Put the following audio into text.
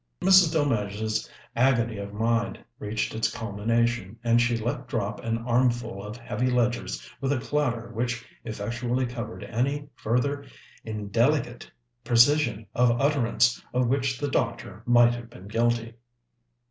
Miss Delmege's agony of mind reached its culmination, and she let drop an armful of heavy ledgers with a clatter which effectually covered any further indelicate precision of utterance of which the doctor might have been guilty.